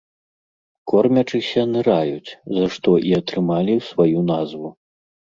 Кормячыся, ныраюць, за што і атрымалі сваю назву.